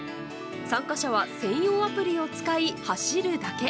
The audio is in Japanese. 参加者は専用アプリを使い走るだけ。